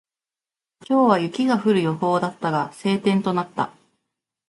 今日は雪が降る予報だったが、晴天となった。